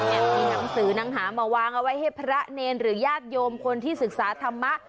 มีหนังสือหนังหามาวางเอาไว้ให้พระเนรหรือญาติโยมคนที่ศึกษาธรรมะ